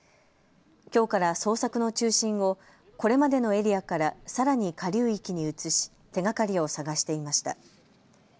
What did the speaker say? きょうから捜索の中心をこれまでのエリアからさらに下流域に移し手がかりを探していました。